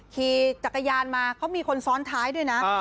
ขี่จักรยานมาเขามีคนซ้อนท้ายด้วยนะ